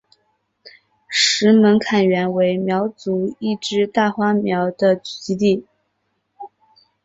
石门坎原为苗族一支大花苗的聚居地。